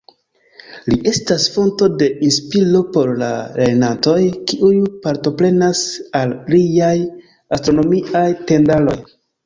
Li estas fonto de inspiro por la lernantoj, kiuj partoprenas al liaj Astronomiaj Tendaroj.